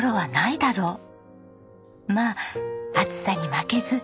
「まぁ暑さに負けず」